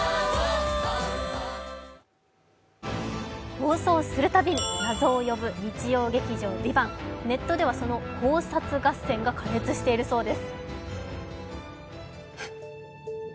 放送するたびに謎を呼ぶ、日曜劇場「ＶＩＶＡＮＴ」、ネットでは、その考察合戦が過熱しているそうです。